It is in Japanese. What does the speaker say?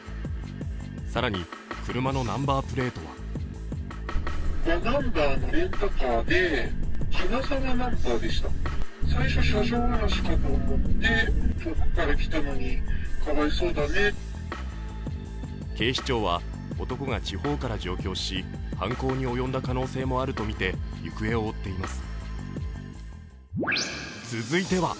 更に、車のナンバープレートは警視庁は男が地方から上京し犯行に及んだ可能性もあるとみて行方を追っています。